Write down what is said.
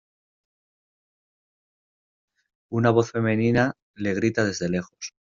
una voz femenina le grita desde lejos: